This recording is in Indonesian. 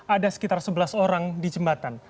ada sekitar sebelas orang di jembatan